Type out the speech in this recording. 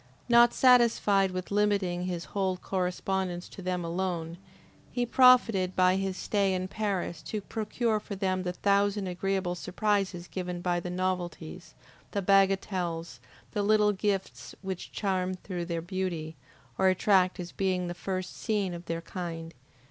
Not satisfied with limiting his whole correspondence to them alone, he profited by his stay in Paris to procure for them the thousand agreeable surprises given by the novelties, the bagatelles, the little gifts which charm through their beauty, or attract as being the first seen of their kind.